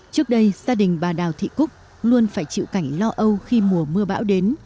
trước đây gia đình bà đào thị cúc luôn phải chịu cảnh lo âu khi mùa mưa bão đến